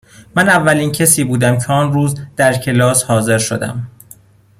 من اولین کسی بودم که آن روز در کلاس حاضر شدم.